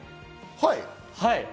はい。